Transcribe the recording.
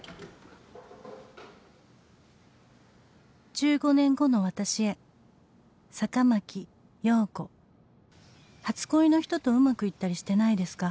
「１５年後の私へ坂巻洋子」「初恋の人とうまくいったりしてないですか」